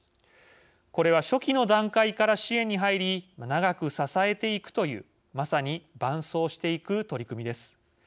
これは初期の段階から支援に入り長く支えていくというまさに伴走していく取り組みです。